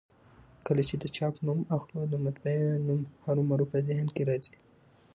کله چي د چاپ نوم اخلو؛ د مطبعې نوم هرومرو په ذهن کي راځي.